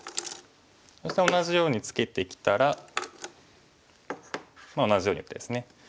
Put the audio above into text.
そして同じようにツケてきたら同じように打ってですね。